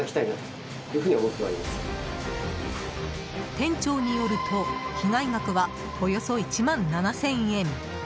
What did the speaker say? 店長によると、被害額はおよそ１万７０００円。